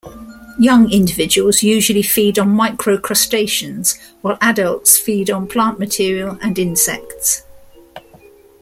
Young individuals usually feed on micro-crustaceans, while adults feed on plant material and insects.